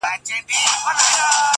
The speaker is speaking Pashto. ډېوه پر لګېدو ده څوک به ځی څوک به راځي-